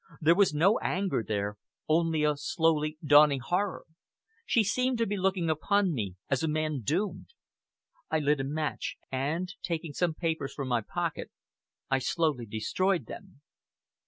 There was no anger there, only a slowly dawning horror. She seemed to be looking upon me as a man doomed. I lit a match, and, taking some papers from my pocket, I slowly destroyed them.